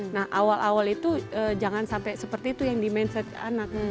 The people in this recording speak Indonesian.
nah awal awal itu jangan sampai seperti itu yang di mindset anak